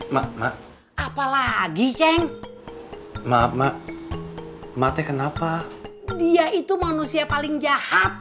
mak mak apalagi ceng maaf mak mak teh kenapa dia itu manusia paling jahat